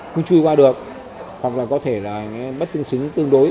không truy qua được hoặc là có thể là bất tương xứng tương đối